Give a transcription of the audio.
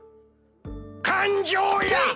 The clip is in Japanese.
感情やっ！！